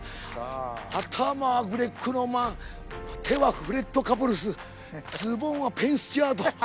頭はグレッグ・ノーマン手はフレッド・カプルスズボンはペイン・スチュアート。